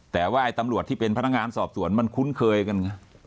แต่ว่าไอ้ตำรวจที่เป็นพนักงานสอบสวนมันคุ้นเคยกันไง